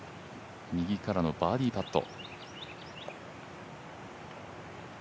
右からのバーディーパット。